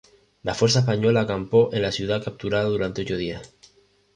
La fuerza española acampó en la ciudad capturada durante ocho días.